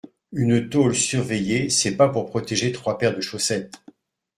Une taule surveillée c’est pas pour protéger trois paires de chaussettes